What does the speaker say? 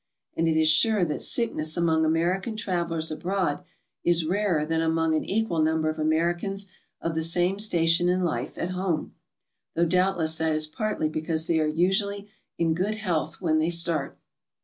And it is sure that sickness among American travelers abroad is rarer than among an equal number of Americans of the same station in life at home, though doubtless that is partly because they are usually in good health when they start.